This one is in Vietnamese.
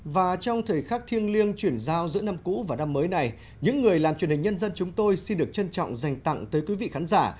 và trong thời khắc thiêng liêng chuyển giao giữa năm cũ và năm mới này những người làm truyền hình nhân dân chúng tôi xin được trân trọng dành tặng tới quý vị khán giả